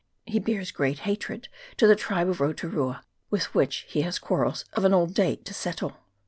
He bears great hatred to the tribe of Roturua, with which he has quarrels of an old date to settle.